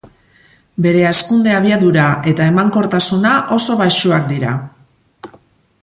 Bere hazkunde-abiadura eta emankortasuna oso baxuak dira.